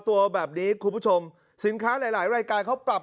ตัวแบบนี้คุณผู้ชมสินค้าหลายหลายรายการเขาปรับ